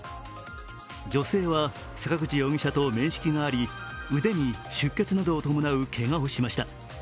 女性は坂口容疑者と面識があり腕に出血などを伴うけがをしました。